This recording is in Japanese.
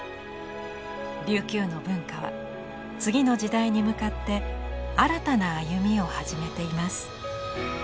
琉球の文化は次の時代に向かって新たな歩みを始めています。